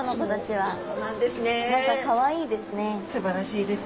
はい。